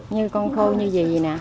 như con khô như gì nè